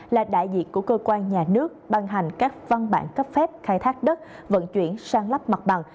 là đại diện của cơ quan nhà nước ban hành các văn bản cấp phép khai thác đất vận chuyển sang lắp mặt bằng